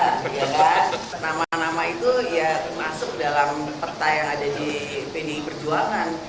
karena nama nama itu ya masuk dalam peta yang ada di pdi perjuangan